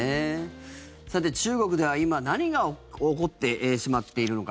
さて、中国では今、何が起こってしまっているのか。